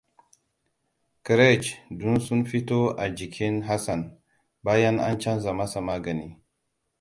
Ƙraje dun sun fito a jikin Hassan, bayan an canza masa magani.